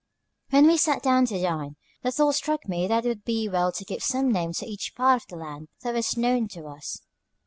When we sat down to dine, the thought struck me that it would be well to give some name to each part of the land that was known to us.